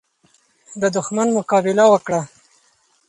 د دښمن مقابله وکړه.